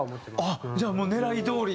あっじゃあもう狙いどおり？